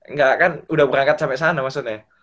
enggak kan udah berangkat sampai sana maksudnya